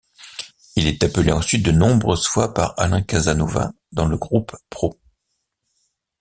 Il est appelé ensuite de nombreuses fois par Alain Casanova dans le groupe pro.